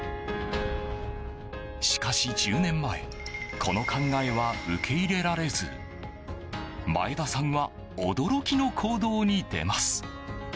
しかし１０年前この考えは受け入れられず前田さんは驚きの行動に出ます。